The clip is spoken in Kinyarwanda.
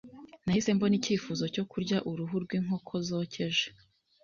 Nahise mbona icyifuzo cyo kurya uruhu rwinkoko zokeje.